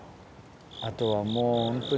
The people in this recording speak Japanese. あとはもうホントに。